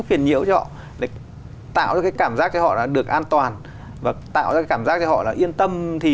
phiền nhiễu cho họ tạo cái cảm giác cho họ là được an toàn và tạo ra cảm giác cho họ là yên tâm thì